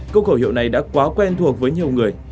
câu khẩu hiệu này đã quá quen thuộc với nhiều người